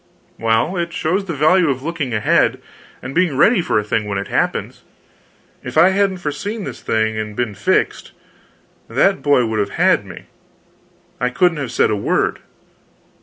Well, it shows the value of looking ahead, and being ready for a thing when it happens. If I hadn't foreseen this thing and been fixed, that boy would have had me! I couldn't have said a word.